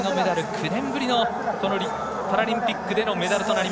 ９年ぶりのパラリンピックでのメダル。